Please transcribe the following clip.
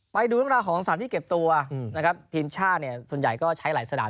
ไปดูเรื่องราวของสถานที่เก็บตัวนะครับทีมชาติเนี่ยส่วนใหญ่ก็ใช้หลายสนาม